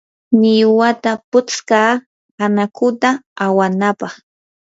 millwata putskaa anakuta awanapaq.